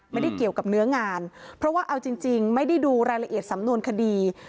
ไม่ได้เกี่ยวกับเนื้องานเพราะว่าเอาจริงไม่ได้ดูรายละเอียดสำนวนคดี